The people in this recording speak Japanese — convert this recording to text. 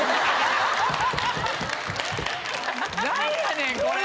何やねんこれ！